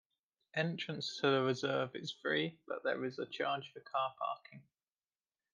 Entrance to the reserve is free but there is a charge for car parking.